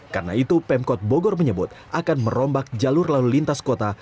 karena itu pemkot bogor menyebut akan merombak jalur lalu lintas kota